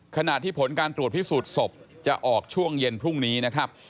ขณะที่ผลการตรวจพิสูจน์ศพจะออกช่วงเย็นพรุ่งนี้นะครับ